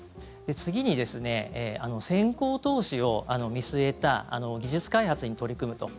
次に、先行投資を見据えた技術開発に取り組むと。